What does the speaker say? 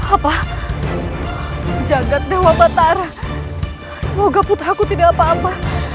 apa jagat dewa batara semoga putraku tidak apa apa